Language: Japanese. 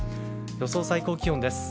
予想最高気温です。